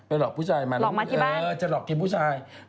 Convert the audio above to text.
ไปหลอกผู้ชายมาเออจะหลอกกินผู้ชายหลอกมาที่บ้าน